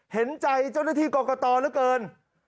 เห็นใจเจ้าหน้าที่กรกตเหลือเกิน